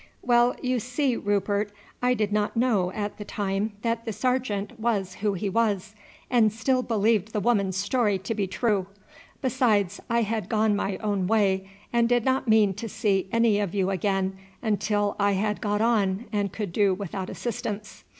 "Well, you see, Rupert, I did not know at the time that the sergeant was who he was, and still believed the woman's story to be true. Besides, I had gone my own way, and did not mean to see any of you again until I had got on and could do without assistance.